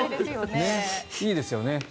いいですよね。